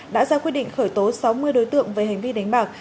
đã ra quyết định khởi tố sáu mươi đối tượng về hành vi đánh bạc